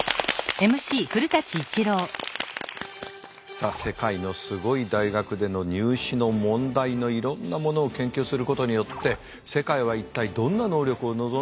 さあ世界のすごい大学での入試の問題のいろんなものを研究することによって世界は一体どんな能力を望んでいるのか。